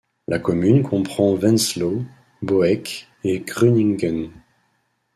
La commune comprend Wenzlow, Boecke et Grüningen.